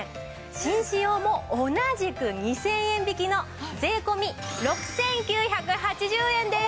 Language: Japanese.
紳士用も同じく２０００円引きの税込６９８０円です！